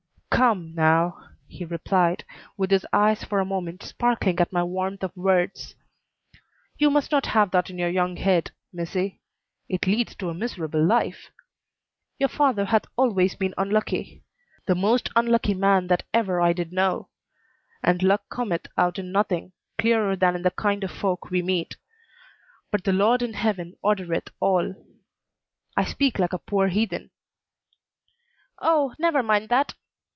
"Come, now," he replied, with his eyes for a moment sparkling at my warmth of words; "you must not have that in your young head, missy. It leads to a miserable life. Your father hath always been unlucky the most unlucky that ever I did know. And luck cometh out in nothing clearer than in the kind of folk we meet. But the Lord in heaven ordereth all. I speak like a poor heathen." "Oh, never mind that!"